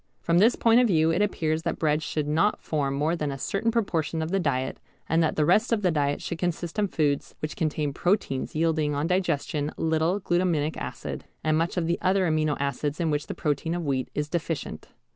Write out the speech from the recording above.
From this point of view it appears that bread should not form more than a certain proportion of the diet, and that the rest of the diet should consist of foods which contain proteins yielding on digestion little glutaminic acid and much of the other amino acids in which the protein of wheat is deficient.